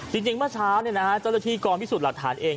จริงมาเช้าเจ้าละที่กรพิสูจน์หลักฐานเอง